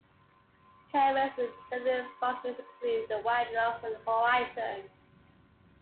Cameras with similar functions include the Widelux and Horizon.